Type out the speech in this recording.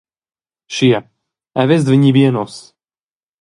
Schia, ei vess da vegnir bien uss!